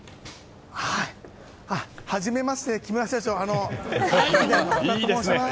はじめまして、木村社長。